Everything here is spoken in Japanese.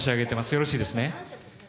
よろしいですね。